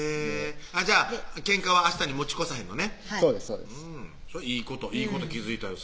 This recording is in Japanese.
じゃあケンカは明日に持ち越さへんのねそれいいこといいこと気付いたよ